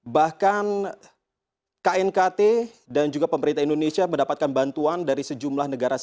bahkan knkt dan juga pemerintah indonesia mendapatkan berita